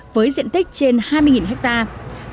với diện tích trên hai mươi hectare